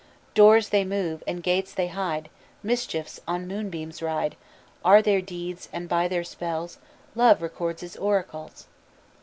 Doors they move, and gates they hide Mischiefs that on moonbeams ride Are their deeds, and, by their spells, Love records its oracles.